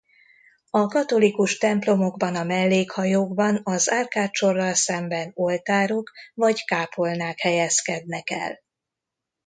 A katolikus templomokban a mellékhajókban az árkádsorral szemben oltárok vagy kápolnák helyezkednek el.